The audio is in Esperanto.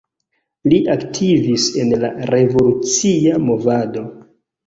Li aktivis en la revolucia movado.